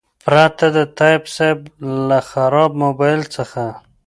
پرته د تایب صیب له خراب موبایل څخه.